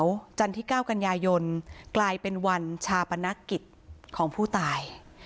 วันเกิดลูกสาวจันที่๙กันยายนกลายเป็นวันชาปนักกิจของผู้ตาย